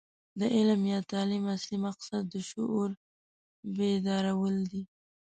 د علم یا تعلیم اصلي مقصد د شعور بیدارول دي.